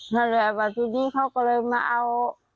นั่นแหละว่าทีนี้เขาก็เลยมาเอา